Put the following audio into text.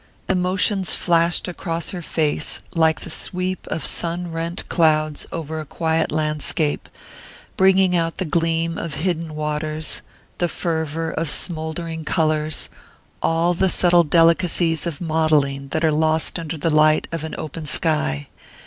Emotions flashed across her face like the sweep of sun rent clouds over a quiet landscape, bringing out the gleam of hidden waters, the fervour of smouldering colours, all the subtle delicacies of modelling that are lost under the light of an open sky.